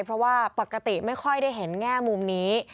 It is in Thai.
เพราะว่าปกติไม่ค่อยได้เห็นแง่มุมนี้